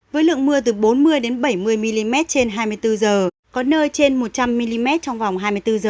với lượng mưa từ bốn mươi bảy mươi mm trên hai mươi bốn h có nơi trên một trăm linh mm trong vòng hai mươi bốn h